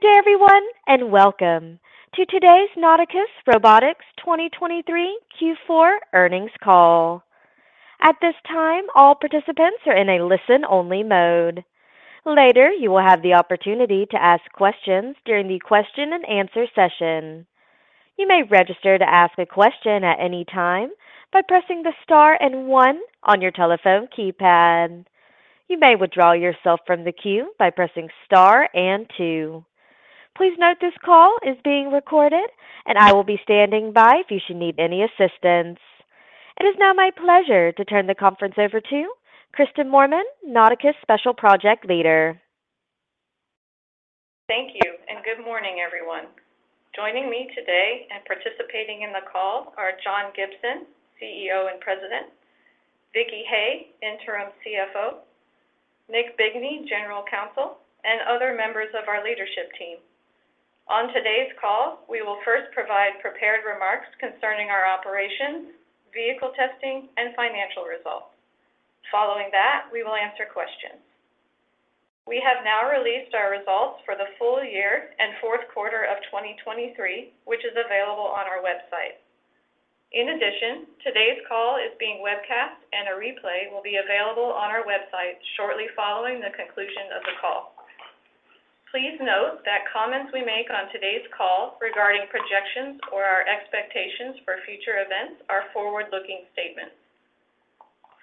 Good day, everyone, and welcome to today's Nauticus Robotics 2023 Q4 earnings call. At this time, all participants are in a listen-only mode. Later, you will have the opportunity to ask questions during the question and answer session. You may register to ask a question at any time by pressing the star and one on your telephone keypad. You may withdraw yourself from the queue by pressing star and two. Please note this call is being recorded, and I will be standing by if you should need any assistance. It is now my pleasure to turn the conference over to Kristin Moorman, Nauticus Special Project Leader. Thank you, and good morning, everyone. Joining me today and participating in the call are John Gibson, CEO and President, Victoria Hay, Interim CFO, Nick Bigney, General Counsel, and other members of our leadership team. On today's call, we will first provide prepared remarks concerning our operations, vehicle testing, and financial results. Following that, we will answer questions. We have now released our results for the full year and fourth quarter of 2023, which is available on our website. In addition, today's call is being webcast, and a replay will be available on our website shortly following the conclusion of the call. Please note that comments we make on today's call regarding projections or our expectations for future events are forward-looking statements.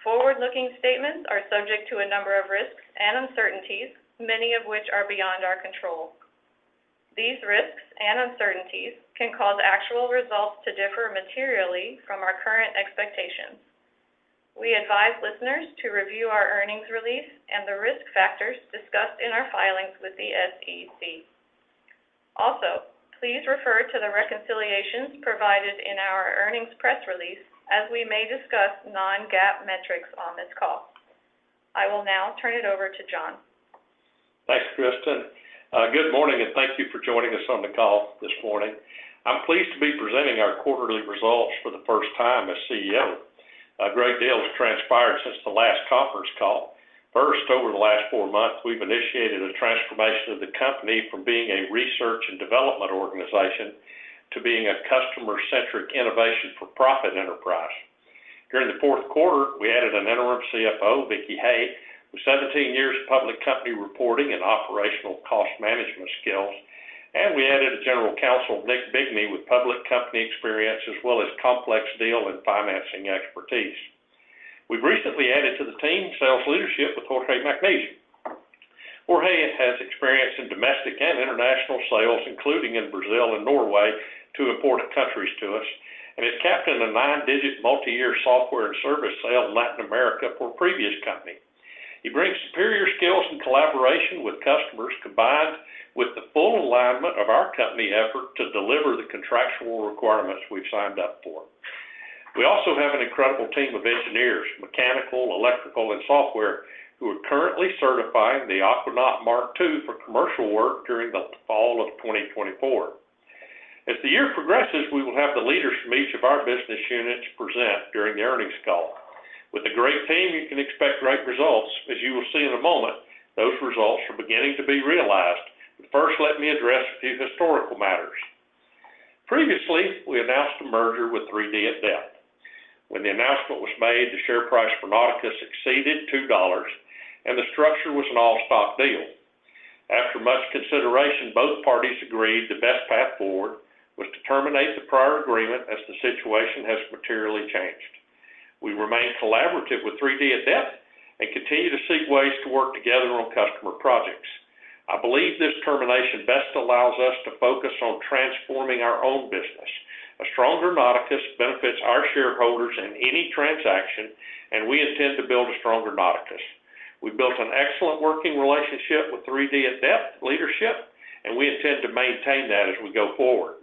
Forward-looking statements are subject to a number of risks and uncertainties, many of which are beyond our control. These risks and uncertainties can cause actual results to differ materially from our current expectations. We advise listeners to review our earnings release and the risk factors discussed in our filings with the SEC. Also, please refer to the reconciliations provided in our earnings press release, as we may discuss non-GAAP metrics on this call. I will now turn it over to John. Thanks, Kristin. Good morning, and thank you for joining us on the call this morning. I'm pleased to be presenting our quarterly results for the first time as CEO. A great deal has transpired since the last conference call. First, over the last four months, we've initiated a transformation of the company from being a research and development organization to being a customer-centric innovation-for-profit enterprise. During the fourth quarter, we added an Interim CFO, Vicki Hay, with 17 years of public company reporting and operational cost management skills, and we added a General Counsel, Nick Bigney, with public company experience, as well as complex deal and financing expertise. We've recently added to the team sales leadership with Jorg Macneish. Jorge has experience in domestic and international sales, including in Brazil and Norway, two important countries to us, and has captained a nine-digit multi-year software and service sale in Latin America for a previous company. He brings superior skills and collaboration with customers, combined with the full alignment of our company effort to deliver the contractual requirements we've signed up for. We also have an incredible team of engineers, mechanical, electrical, and software, who are currently certifying the Aquanaut Mark 2 for commercial work during the fall of 2024. As the year progresses, we will have the leaders from each of our business units present during the earnings call. With a great team, you can expect great results. As you will see in a moment, those results are beginning to be realized, but first, let me address a few historical matters. Previously, we announced a merger with 3D at Depth. When the announcement was made, the share price for Nauticus exceeded $2, and the structure was an all-stock deal. After much consideration, both parties agreed the best path forward was to terminate the prior agreement as the situation has materially changed. We remain collaborative with 3D at Depth and continue to seek ways to work together on customer projects. I believe this termination best allows us to focus on transforming our own business. A stronger Nauticus benefits our shareholders in any transaction, and we intend to build a stronger Nauticus. We built an excellent working relationship with 3D at Depth leadership, and we intend to maintain that as we go forward.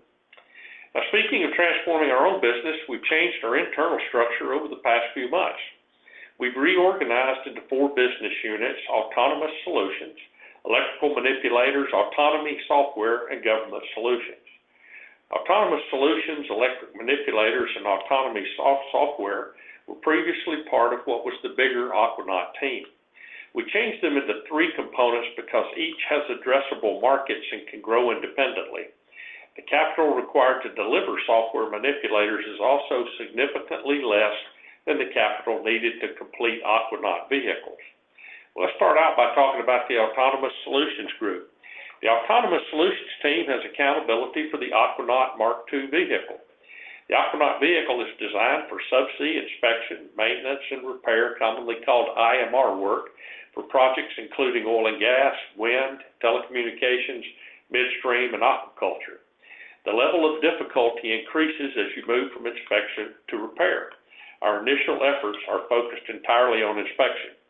Now, speaking of transforming our own business, we've changed our internal structure over the past few months. We've reorganized into four business units: autonomous solutions, electrical manipulators, autonomy software, and government solutions. Autonomous solutions, electric manipulators, and autonomy software were previously part of what was the bigger Aquanaut team. We changed them into three components because each has addressable markets and can grow independently. The capital required to deliver software manipulators is also significantly less than the capital needed to complete Aquanaut vehicles. Let's start out by talking about the autonomous solutions group. The autonomous solutions team has accountability for the Aquanaut Mark 2 vehicle. The Aquanaut vehicle is designed for subsea inspection, maintenance, and repair, commonly called IMR work, for projects including oil and gas, wind, telecommunications, midstream, and aquaculture. The level of difficulty increases as you move from inspection to repair. Our initial efforts are focused entirely on inspection.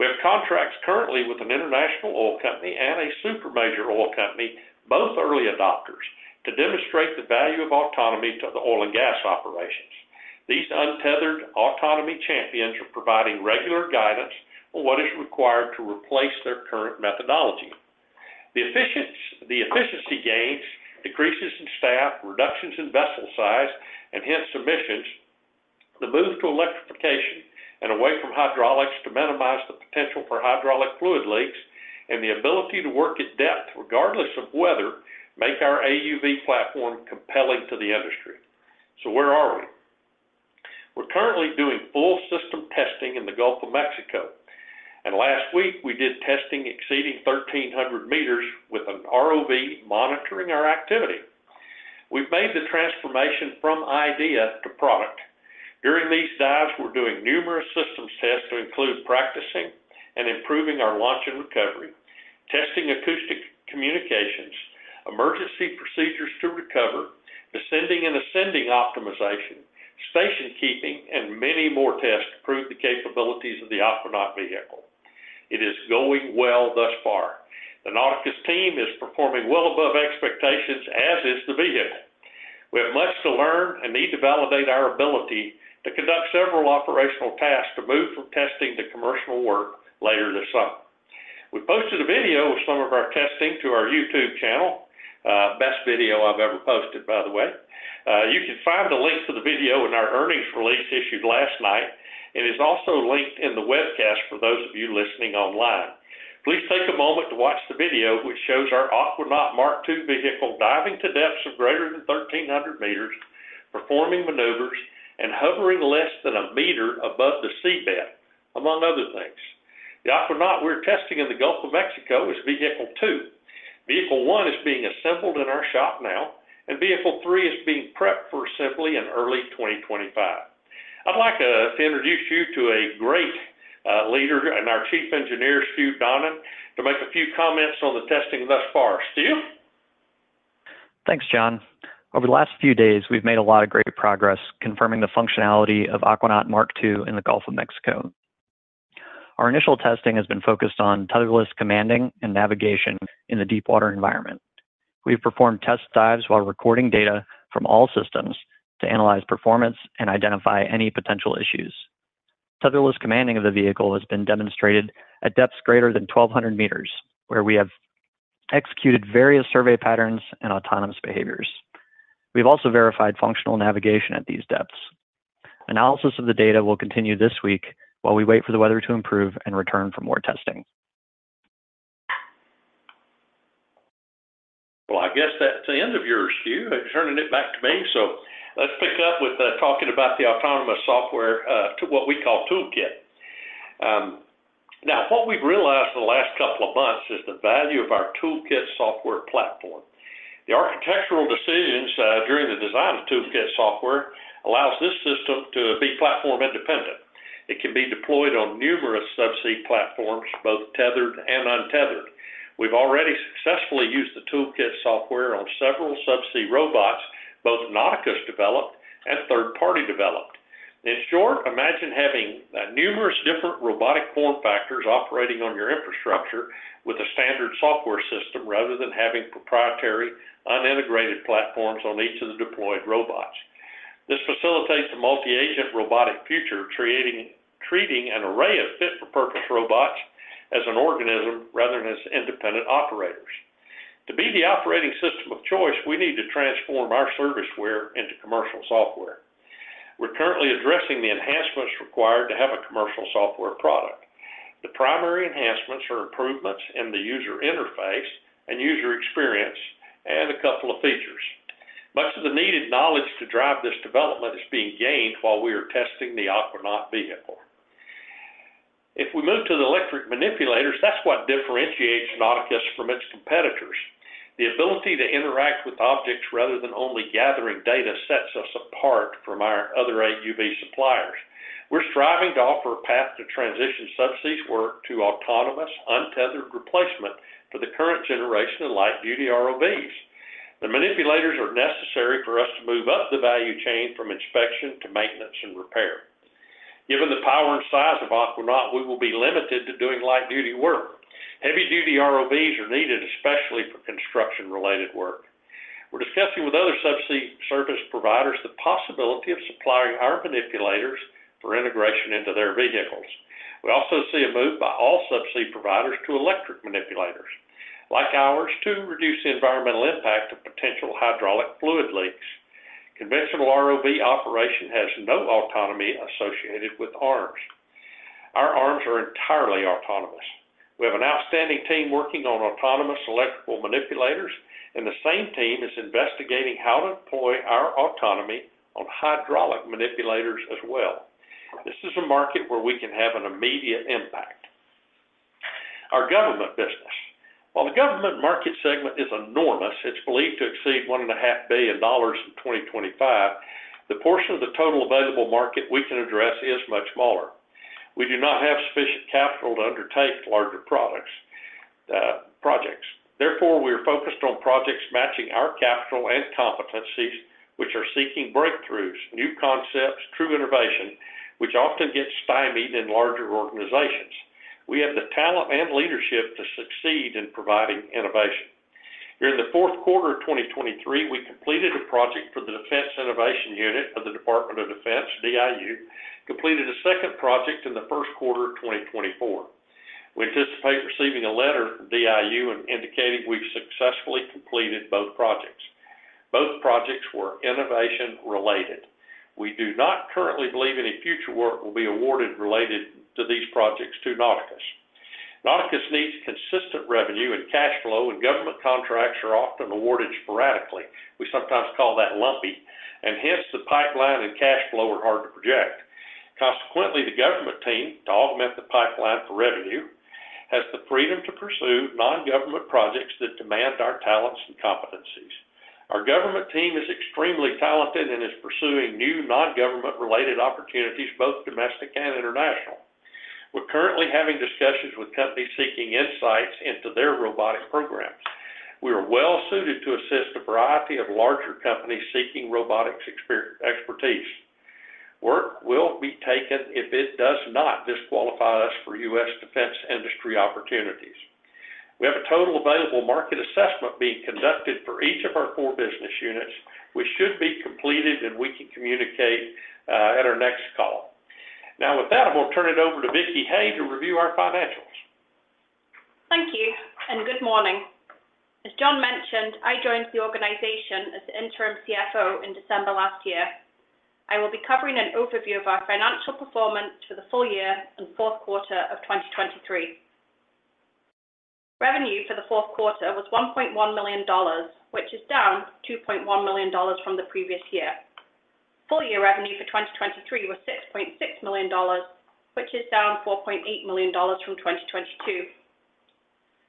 We have contracts currently with an international oil company and a super major oil company, both early adopters, to demonstrate the value of autonomy to the oil and gas operations. These untethered autonomy champions are providing regular guidance on what is required to replace their current methodology. The efficiency gains, decreases in staff, reductions in vessel size, and hence emissions. The move to electrification and away from hydraulics to minimize the potential for hydraulic fluid leaks and the ability to work at depth, regardless of weather, make our AUV platform compelling to the industry. So where are we? We're currently doing full system testing in the Gulf of Mexico, and last week, we did testing exceeding 1,300 meters with an ROV monitoring our activity. We've made the transformation from idea to product. During these dives, we're doing numerous systems tests to include practicing and improving our launch and recovery, testing acoustic communications, emergency procedures to recover, descending and ascending optimization, station keeping, and many more tests to prove the capabilities of the Aquanaut vehicle. It is going well thus far. The Nauticus team is performing well above expectations, as is the vehicle. We have much to learn and need to validate our ability to conduct several operational tasks to move from testing to commercial work later this summer. We posted a video of some of our testing to our YouTube channel. Best video I've ever posted, by the way. You can find the link to the video in our earnings release issued last night. It is also linked in the webcast for those of you listening online. Please take a moment to watch the video, which shows our Aquanaut Mark 2 vehicle diving to depths of greater than 1,300 meters, performing maneuvers and hovering less than a meter above the seabed, among other things. The Aquanaut we're testing in the Gulf of Mexico is vehicle 2. Vehicle 1 is being assembled in our shop now, and vehicle 3 is being prepped for assembly in early 2025. I'd like to introduce you to a great leader and our Chief Engineer, Stu Donnan, to make a few comments on the testing thus far. Stu? Thanks, John. Over the last few days, we've made a lot of great progress confirming the functionality of Aquanaut Mark 2 in the Gulf of Mexico. Our initial testing has been focused on tetherless commanding and navigation in the deep water environment. We've performed test dives while recording data from all systems to analyze performance and identify any potential issues. Tetherless commanding of the vehicle has been demonstrated at depths greater than 1,200 meters, where we have executed various survey patterns and autonomous behaviors. We've also verified functional navigation at these depths. Analysis of the data will continue this week while we wait for the weather to improve and return for more testing. Well, I guess that's the end of yours, Stu, and turning it back to me. So let's pick up with talking about the autonomous software to what we call ToolKITT. Now, what we've realized in the last couple of months is the value of our ToolKITT software platform. The architectural decisions during the design of ToolKITT software allows this system to be platform-independent. It can be deployed on numerous subsea platforms, both tethered and untethered. We've already successfully used the ToolKITT software on several subsea robots, both Nauticus-developed and third-party developed. In short, imagine having numerous different robotic form factors operating on your infrastructure with a standard software system, rather than having proprietary, unintegrated platforms on each of the deployed robots. This facilitates a multi-agent robotic future, creating, treating an array of fit-for-purpose robots as an organism rather than as independent operators. To be the operating system of choice, we need to transform our serviceware into commercial software. We're currently addressing the enhancements required to have a commercial software product. The primary enhancements are improvements in the user interface and user experience, and a couple of features. Much of the needed knowledge to drive this development is being gained while we are testing the Aquanaut vehicle. If we move to the electric manipulators, that's what differentiates Nauticus from its competitors. The ability to interact with objects rather than only gathering data sets us apart from our other AUV suppliers. We're striving to offer a path to transition subsea work to autonomous, untethered replacement for the current generation of light-duty ROVs. The manipulators are necessary for us to move up the value chain from inspection to maintenance and repair. Given the power and size of Aquanaut, we will be limited to doing light-duty work. Heavy-duty ROVs are needed, especially for construction-related work. We're discussing with other subsea service providers the possibility of supplying our manipulators for integration into their vehicles. We also see a move by all subsea providers to electric manipulators, like ours, to reduce the environmental impact of potential hydraulic fluid leaks. Conventional ROV operation has no autonomy associated with arms. Our arms are entirely autonomous. We have an outstanding team working on autonomous electrical manipulators, and the same team is investigating how to deploy our autonomy on hydraulic manipulators as well. This is a market where we can have an immediate impact. Our government business. While the government market segment is enormous, it's believed to exceed $1.5 billion in 2025, the portion of the total available market we can address is much smaller. We do not have sufficient capital to undertake larger products, projects. Therefore, we are focused on projects matching our capital and competencies, which are seeking breakthroughs, new concepts, true innovation, which often gets stymied in larger organizations. We have the talent and leadership to succeed in providing innovation. During the fourth quarter of 2023, we completed a project for the Defense Innovation Unit of the Department of Defense, DIU, completed a second project in the first quarter of 2024. We anticipate receiving a letter from DIU indicating we've successfully completed both projects. Both projects were innovation-related. We do not currently believe any future work will be awarded related to these projects to Nauticus. Nauticus needs consistent revenue and cash flow, and government contracts are often awarded sporadically. We sometimes call that lumpy, and hence, the pipeline and cash flow are hard to project. Consequently, the government team, to augment the pipeline for revenue, has the freedom to pursue non-government projects that demand our talents and competencies. Our government team is extremely talented and is pursuing new non-government related opportunities, both domestic and international. We're currently having discussions with companies seeking insights into their robotic programs. We are well suited to assist a variety of larger companies seeking robotics expertise. Work will be taken if it does not disqualify us for U.S. defense industry opportunities. We have a total available market assessment being conducted for each of our four business units, which should be completed, and we can communicate at our next call. Now, with that, I'm going to turn it over to Vicky Hay to review our financials. Thank you, and good morning. As John mentioned, I joined the organization as the interim CFO in December last year. I will be covering an overview of our financial performance for the full year and fourth quarter of 2023. Revenue for the fourth quarter was $1.1 million, which is down $2.1 million from the previous year. Full year revenue for 2023 was $6.6 million, which is down $4.8 million from 2022.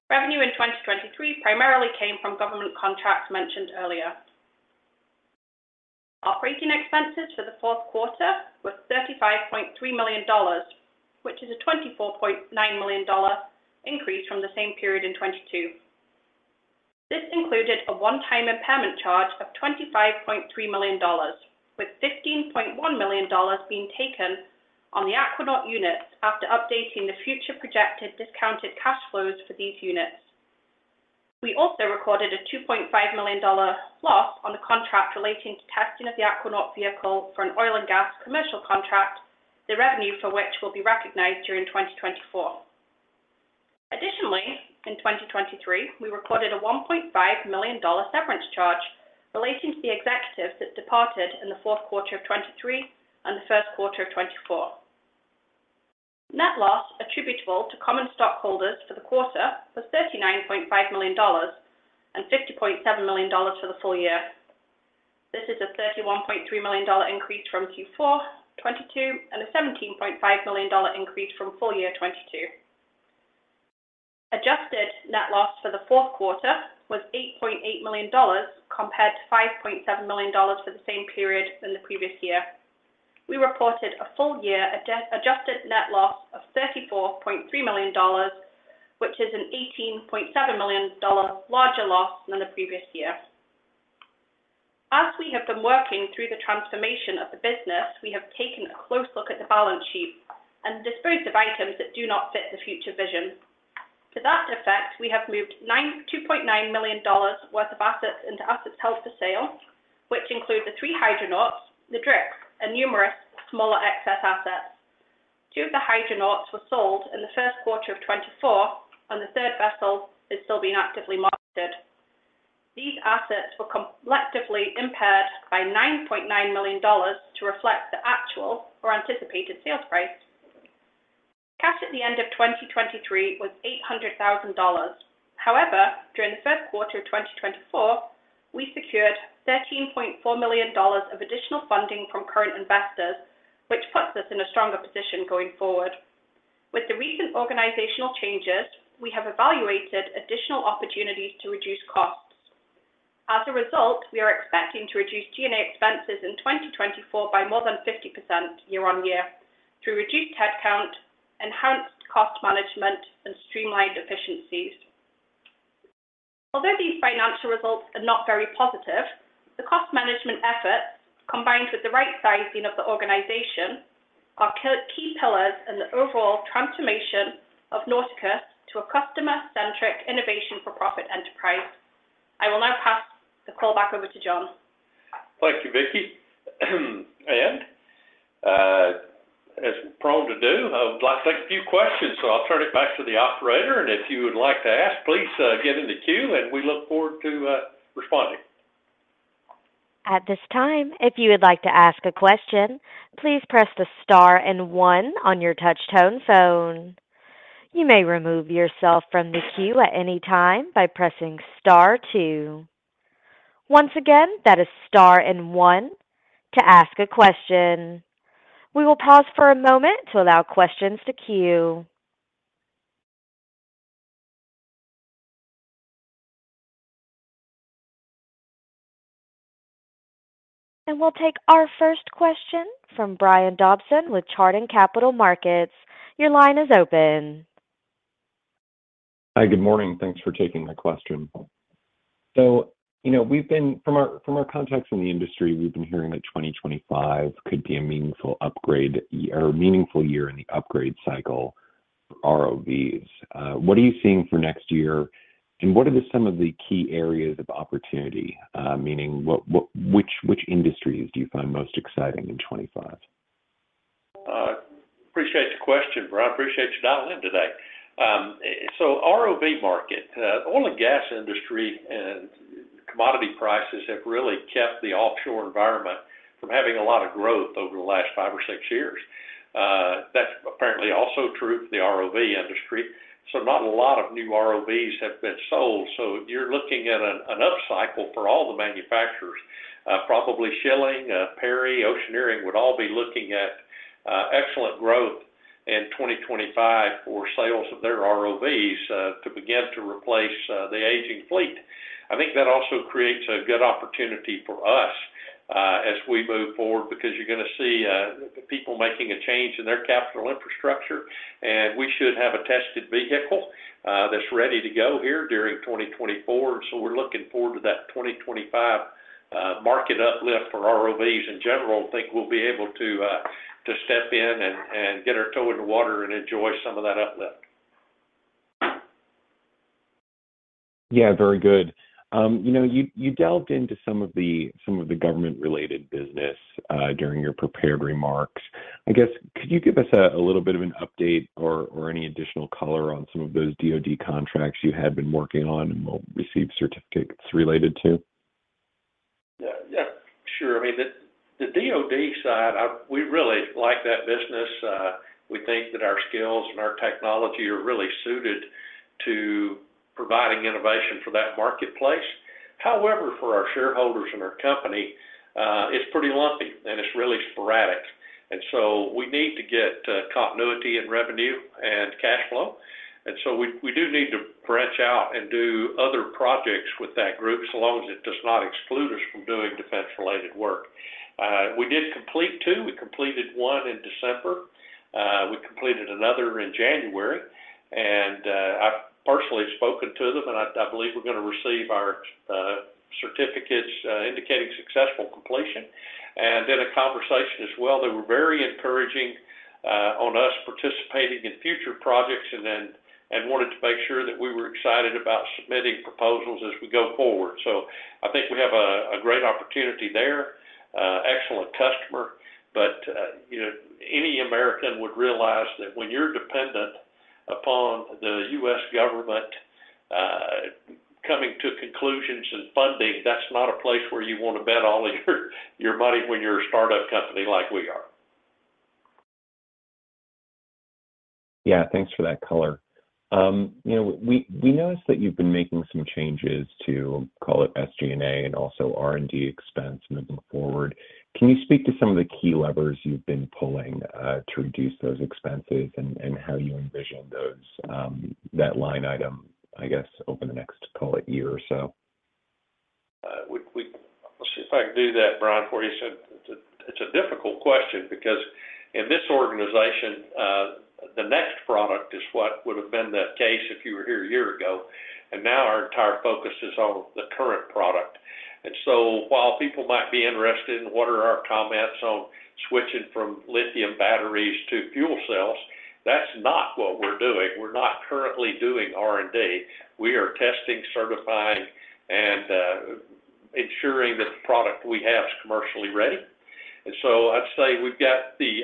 Revenue in 2023 primarily came from government contracts mentioned earlier. Operating expenses for the fourth quarter were $35.3 million, which is a $24.9 million increase from the same period in 2022. This included a one-time impairment charge of $25.3 million, with $15.1 million being taken on the Aquanaut units after updating the future projected discounted cash flows for these units. We also recorded a $2.5 million dollar loss on the contract relating to testing of the Aquanaut vehicle for an oil and gas commercial contract, the revenue for which will be recognized during 2024. Additionally, in 2023, we recorded a $1.5 million dollar severance charge relating to the executives that departed in the fourth quarter of 2023 and the first quarter of 2024. Net loss attributable to common stockholders for the quarter was $39.5 million and $50.7 million for the full year. This is a $31.3 million increase from Q4 2022 and a $17.5 million increase from full year 2022. Adjusted net loss for the fourth quarter was $8.8 million, compared to $5.7 million for the same period in the previous year. We reported a full year adjusted net loss of $34.3 million, which is an $18.7 million larger loss than the previous year. As we have been working through the transformation of the business, we have taken a close look at the balance sheet and disposed of items that do not fit the future vision. To that effect, we have moved $2.9 million worth of assets into assets held for sale, which include the three Hydronauts, the DriX, and numerous smaller excess assets. Two of the Hydronauts were sold in the first quarter of 2024, and the third vessel is still being actively marketed. These assets were collectively impaired by $9.9 million to reflect the actual or anticipated sales price. Cash at the end of 2023 was $800,000. However, during the first quarter of 2024, we secured $13.4 million of additional funding from current investors, which puts us in a stronger position going forward. With the recent organizational changes, we have evaluated additional opportunities to reduce costs. As a result, we are expecting to reduce G&A expenses in 2024 by more than 50% year-over-year, through reduced headcount, enhanced cost management, and streamlined efficiencies. Although these financial results are not very positive, the cost management efforts, combined with the right sizing of the organization, are key pillars in the overall transformation of Nauticus to a customer-centric innovation-for-profit enterprise. I will now pass the call back over to John. Thank you, Vicky. As I'm prone to do, I would like to take a few questions, so I'll turn it back to the operator, and if you would like to ask, please get in the queue, and we look forward to responding. At this time, if you would like to ask a question, please press the star and one on your touchtone phone. You may remove yourself from the queue at any time by pressing star two. Once again, that is star and one to ask a question. We will pause for a moment to allow questions to queue. We'll take our first question from Brian Dobson with Chardan Capital Markets. Your line is open. Hi, good morning. Thanks for taking my question. So, you know, we've been from our contacts in the industry, we've been hearing that 2025 could be a meaningful upgrade or a meaningful year in the upgrade cycle for ROVs. What are you seeing for next year? ... And what are some of the key areas of opportunity, meaning which industries do you find most exciting in 2025? Appreciate the question, Brian. I appreciate you dialing in today. So ROV market. Oil and gas industry and commodity prices have really kept the offshore environment from having a lot of growth over the last five or six years. That's apparently also true for the ROV industry, so not a lot of new ROVs have been sold. So you're looking at an upcycle for all the manufacturers. Probably Schilling, Perry, Oceaneering, would all be looking at excellent growth in 2025 for sales of their ROVs to begin to replace the aging fleet. I think that also creates a good opportunity for us as we move forward, because you're gonna see people making a change in their capital infrastructure, and we should have a tested vehicle that's ready to go here during 2024. So we're looking forward to that 2025 market uplift for ROVs in general. I think we'll be able to, to step in and, and get our toe in the water and enjoy some of that uplift. Yeah, very good. You know, you delved into some of the government-related business during your prepared remarks. I guess, could you give us a little bit of an update or any additional color on some of those DoD contracts you had been working on and will receive certificates related to? Yeah, yeah, sure. I mean, the DoD side, we really like that business. We think that our skills and our technology are really suited to providing innovation for that marketplace. However, for our shareholders and our company, it's pretty lumpy, and it's really sporadic, and so we need to get continuity in revenue and cash flow, and so we do need to branch out and do other projects with that group, so long as it does not exclude us from doing defense-related work. We did complete two. We completed one in December. We completed another in January, and I've personally spoken to them, and I believe we're gonna receive our certificates indicating successful completion. And then a conversation as well. They were very encouraging on us participating in future projects and wanted to make sure that we were excited about submitting proposals as we go forward. So I think we have a great opportunity there, excellent customer, but you know, any American would realize that when you're dependent upon the U.S. government coming to conclusions and funding, that's not a place where you want to bet all your money when you're a startup company like we are. Yeah, thanks for that color. You know, we noticed that you've been making some changes to, call it SG&A and also R&D expense moving forward. Can you speak to some of the key levers you've been pulling to reduce those expenses and how you envision those, that line item, I guess, over the next, call it, year or so? Let's see if I can do that, Brian, for you. So it's a difficult question because in this organization, the next product is what would have been the case if you were here a year ago, and now our entire focus is on the current product. And so while people might be interested in what are our comments on switching from lithium batteries to fuel cells, that's not what we're doing. We're not currently doing R&D. We are testing, certifying, and ensuring that the product we have is commercially ready. And so I'd say we've got the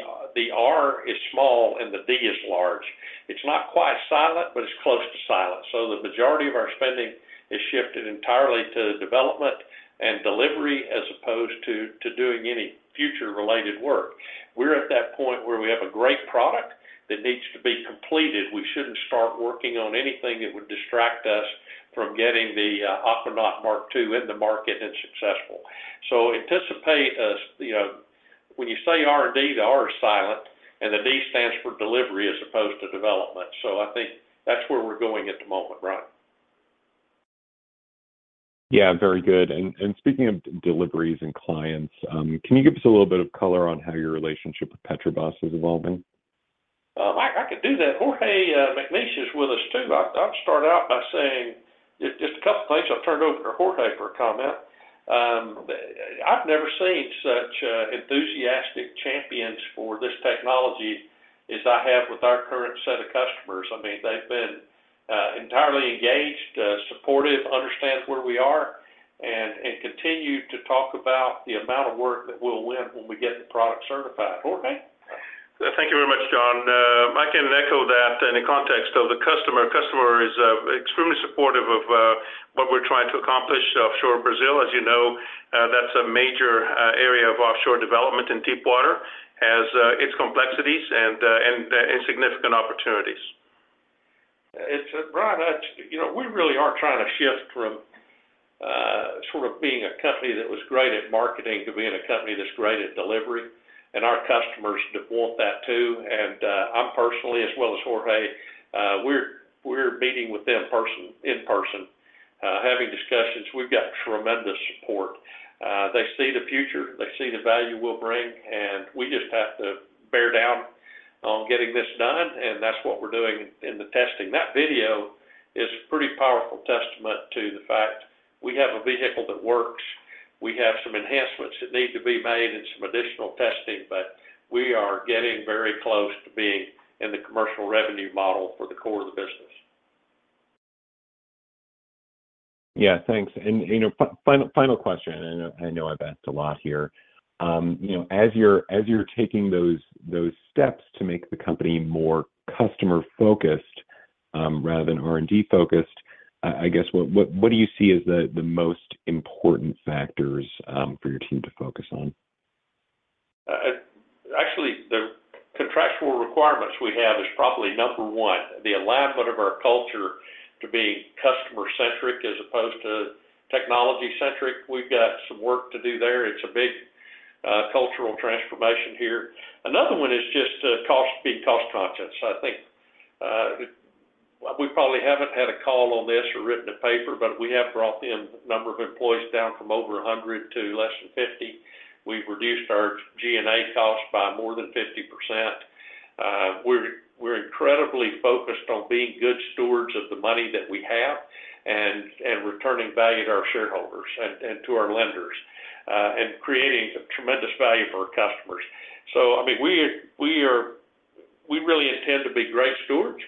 R is small, and the D is large. It's not quite silent, but it's close to silent. So the majority of our spending is shifted entirely to development and delivery, as opposed to doing any future-related work. We're at that point where we have a great product that needs to be completed. We shouldn't start working on anything that would distract us from getting the Aquanaut Mark 2 in the market and successful. So anticipate us, you know, when you say R&D, the R is silent, and the D stands for delivery as opposed to development. So I think that's where we're going at the moment, Brian. Yeah, very good. And speaking of deliveries and clients, can you give us a little bit of color on how your relationship with Petrobras is evolving? I can do that. Jorge Macneish is with us, too. I'll start out by saying just a couple things. I'll turn it over to Jorge for a comment. I've never seen such enthusiastic champions for this technology as I have with our current set of customers. I mean, they've been entirely engaged, supportive, understands where we are, and continue to talk about the amount of work that we'll win when we get the product certified. Jorge? Thank you very much, John. I can echo that in the context of the customer. Customer is extremely supportive of what we're trying to accomplish. Offshore Brazil, as you know, that's a major area of offshore development in deep water, has its complexities and significant opportunities. It's Brian, you know, we really are trying to shift from, sort of being a company that was great at marketing to being a company that's great at delivery, and our customers want that, too. And, I'm personally, as well as Jorge, we're meeting with them in person, having discussions. We've got tremendous support. They see the future, they see the value we'll bring, and we just have to bear down on getting this done, and that's what we're doing in the testing. That video is a pretty powerful testament to the fact we have a vehicle that works.... We have some enhancements that need to be made and some additional testing, but we are getting very close to being in the commercial revenue model for the core of the business. Yeah, thanks. And you know, final question, and I know I've asked a lot here. You know, as you're taking those steps to make the company more customer-focused, rather than R&D-focused, I guess, what do you see as the most important factors for your team to focus on? Actually, the contractual requirements we have is probably number one, the alignment of our culture to being customer-centric as opposed to technology-centric. We've got some work to do there. It's a big cultural transformation here. Another one is just cost—being cost-conscious. I think we probably haven't had a call on this or written a paper, but we have brought in number of employees down from over 100 to less than 50. We've reduced our G&A costs by more than 50%. We're incredibly focused on being good stewards of the money that we have and returning value to our shareholders and to our lenders and creating tremendous value for our customers. So I mean, we really intend to be great stewards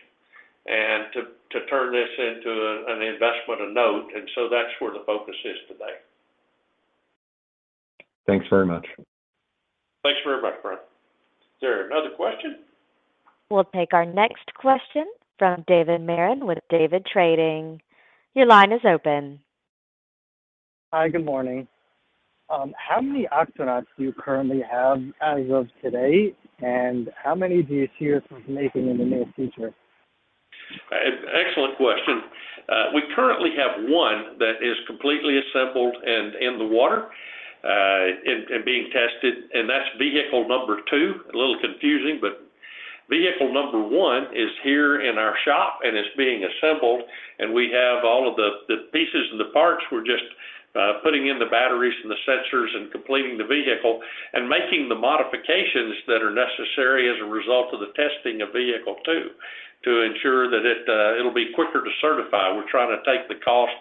and to turn this into an investment of note, and so that's where the focus is today. Thanks very much. Thanks very much, Brian. Is there another question? We'll take our next question from David Merrin with David Trading. Your line is open. Hi, good morning. How many Aquanauts do you currently have as of today, and how many do you see yourself making in the near future? Excellent question. We currently have one that is completely assembled and in the water, and being tested, and that's vehicle number two. A little confusing, but vehicle number one is here in our shop, and it's being assembled, and we have all of the pieces and the parts. We're just putting in the batteries and the sensors and completing the vehicle and making the modifications that are necessary as a result of the testing of vehicle two to ensure that it, it'll be quicker to certify. We're trying to take the cost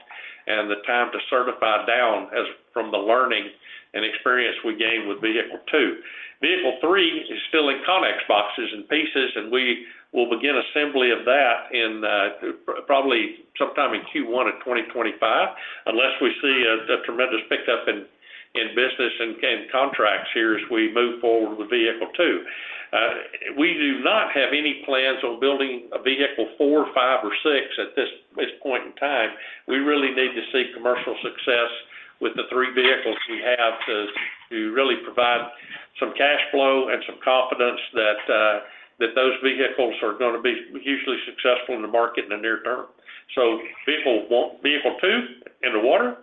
and the time to certify down as from the learning and experience we gained with vehicle two. Vehicle three is still in Conex boxes and pieces, and we will begin assembly of that in, probably sometime in Q1 of 2025, unless we see a tremendous pickup in business and contracts here as we move forward with vehicle two. We do not have any plans on building a vehicle four, five, or six at this point in time. We really need to see commercial success with the three vehicles we have to really provide some cash flow and some confidence that those vehicles are gonna be hugely successful in the market in the near term. So vehicle one, vehicle two in the water,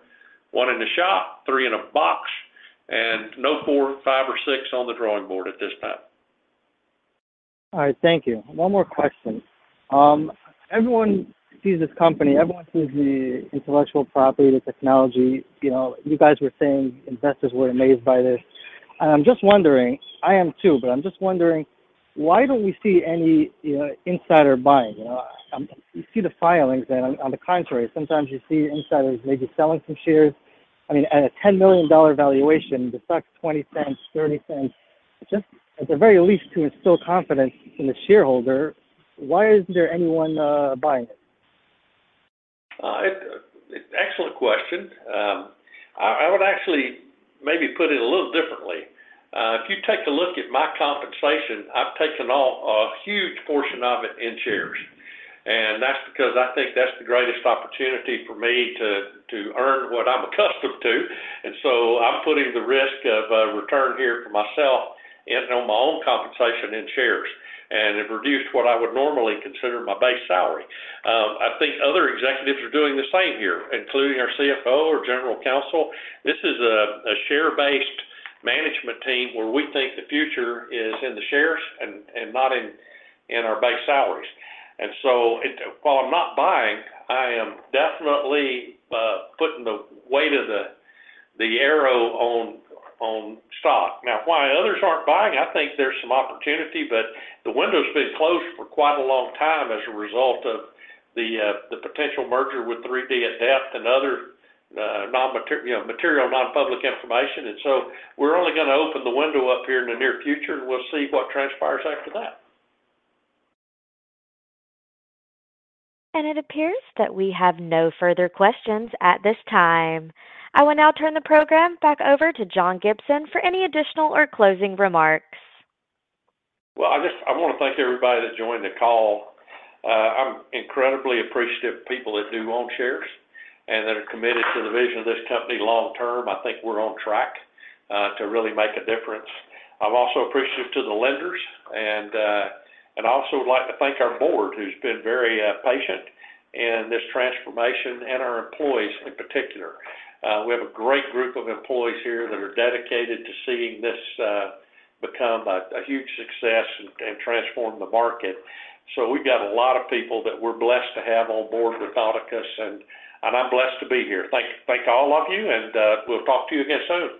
one in the shop, three in a box, and no four, five, or six on the drawing board at this time. All right, thank you. One more question: Everyone sees this company, everyone sees the intellectual property, the technology. You know, you guys were saying investors were amazed by this. And I'm just wondering, I am too, but I'm just wondering, why don't we see any, you know, insider buying, you know? You see the filings and on the contrary, sometimes you see insiders maybe selling some shares. I mean, at a $10 million valuation, the stock's $0.20, $0.30. Just at the very least, to instill confidence in the shareholder, why isn't there anyone buying it? Excellent question. I would actually maybe put it a little differently. If you take a look at my compensation, I've taken all, a huge portion of it in shares, and that's because I think that's the greatest opportunity for me to earn what I'm accustomed to. And so I'm putting the risk of a return here for myself and on my own compensation in shares, and it reduced what I would normally consider my base salary. I think other executives are doing the same here, including our CFO or general counsel. This is a share-based management team, where we think the future is in the shares and not in our base salaries. And so while I'm not buying, I am definitely putting the weight of the arrow on stock. Now, why others aren't buying, I think there's some opportunity, but the window's been closed for quite a long time as a result of the potential merger with 3D at Depth and other, you know, material, non-public information. And so we're only gonna open the window up here in the near future, and we'll see what transpires after that. It appears that we have no further questions at this time. I will now turn the program back over to John Gibson for any additional or closing remarks. Well, I wanna thank everybody that joined the call. I'm incredibly appreciative of people that do own shares and that are committed to the vision of this company long term. I think we're on track to really make a difference. I'm also appreciative to the lenders, and I also would like to thank our board, who's been very patient in this transformation, and our employees in particular. We have a great group of employees here that are dedicated to seeing this become a huge success and transform the market. So we've got a lot of people that we're blessed to have on board with Nauticus, and I'm blessed to be here. Thank all of you, and we'll talk to you again soon.